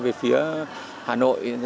về phía hà nội